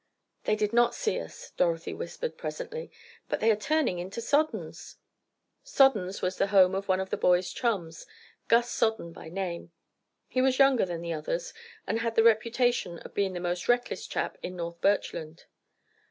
"They did not see us," Dorothy whispered, presently. "But they are turning into Sodden's!" Sodden's was the home of one of the boys' chums—Gus Sodden by name. He was younger than the others, and had the reputation of being the most reckless chap in North Birchland.